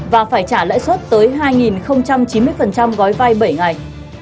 và phải trả lãi suất tới hai chín mươi gói vay bảy ngày